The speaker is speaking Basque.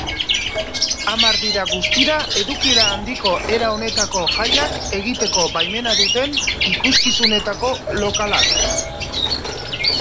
Hamar dira guztira edukiera handiko era honetako jaiak egiteko baimena duten ikuskizunetako lokalak.